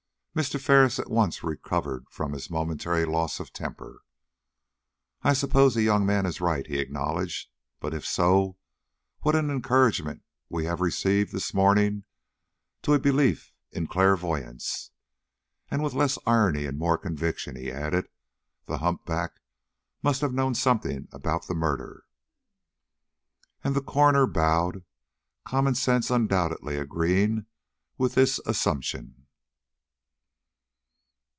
Mr. Ferris at once recovered from his momentary loss of temper. "I suppose the young man is right," he acknowledged; "but, if so, what an encouragement we have received this morning to a belief in clairvoyance." And with less irony and more conviction, he added: "The humpback must have known something about the murder." And the coroner bowed; common sense undoubtedly agreeing with this assumption.